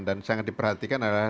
dan sangat diperhatikan adalah